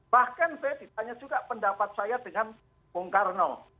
bahkan saya ditanya juga pendapat saya dengan bung karno